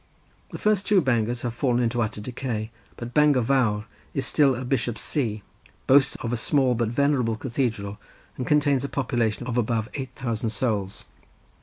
The two first Bangors have fallen into utter decay, but Bangor Vawr is still a bishop's see, boasts of a small but venerable cathedral, and contains a population of above eight thousand souls.